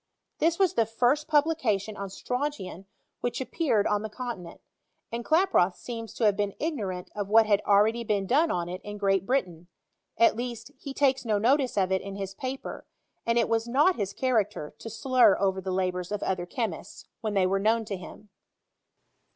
This was the first publication on strontian which appeared on the con tinent ; and Klaproth seems to have been ignorant of what had been already done on it in Great Bri tain ; at least, he takes no notice of it in his paper, and it was not his character to slur over the labouM of other chemists, when they were known to htm.